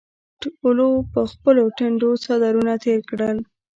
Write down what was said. ټولو پر خپلو ټنډو څادرونه تېر کړل.